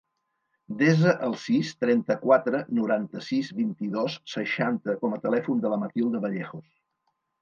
Desa el sis, trenta-quatre, noranta-sis, vint-i-dos, seixanta com a telèfon de la Matilda Vallejos.